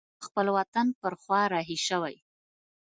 د خپل وطن پر خوا رهي شوی.